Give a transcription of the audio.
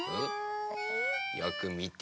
よくみて。